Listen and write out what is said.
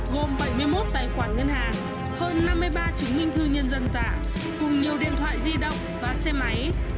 gồm bảy mươi một tài khoản ngân hàng hơn năm mươi ba chứng minh thư nhân dân giả cùng nhiều điện thoại di động và xe máy